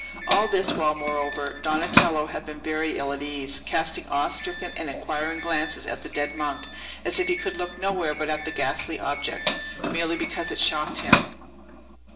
All this while, moreover, Donatello had been very ill at ease, casting awe stricken and inquiring glances at the dead monk; as if he could look nowhere but at that ghastly object, merely because it shocked him.